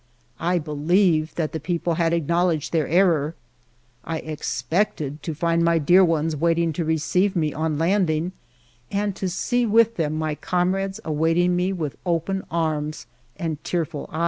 I believed that the people had acknowledged their error ; I expected to find my dear ones waiting to receive me on landing, and to see with them my comrades awaiting me with open arms and tearful eyes.